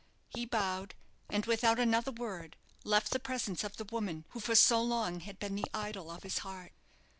He bowed, and without another word left the presence of the woman who for so long had been the idol of his heart.